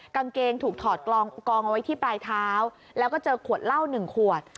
กางเกงถูกถอดกองเอาไว้ที่ปลายเท้าแล้วก็เจอขวดเหล้าหนึ่งขวด